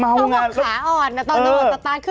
เม่าง่ะต้องบอกขาอ่อนนะตอนนั้น